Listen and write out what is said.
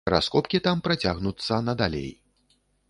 Раскопкі там працягнуцца надалей.